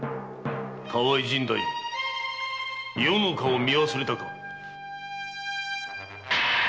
河合甚太夫余の顔を見忘れたか。